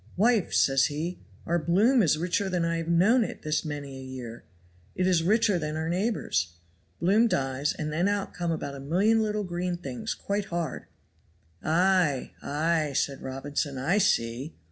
'Wife,' says he, 'our bloom is richer than I have known it this many a year, it is richer than our neighbors'.' Bloom dies, and then out come about a million little green things quite hard." "Ay! ay!" said Robinson; "I see."